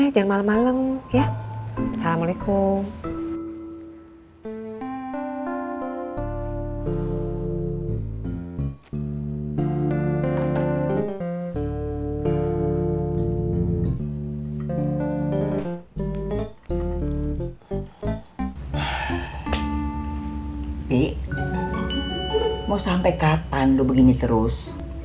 bi mau sampai kapan lu begini terus